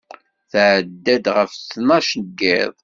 Tɛedda-d ɣef ttnac n yiḍ